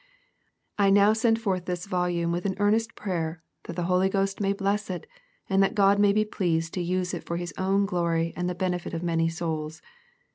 I now send forth this volume with an earnest prayer, that the Holy Ghost may bless it, and that God may be pleased to use it for His own glory and the benefit of many souls.